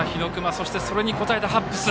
そして、それに応えたハッブス。